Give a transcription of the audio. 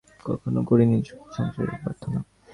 আমি সাংসারিক সুখের প্রার্থনা কখনও করিনি।